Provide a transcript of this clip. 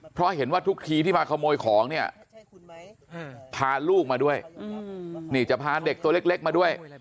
เพราะเห็นว่าทุกทีที่มาขโมยของเนี่ยพาลูกมาด้วยนี่จะพาเด็กตัวเล็กมาด้วย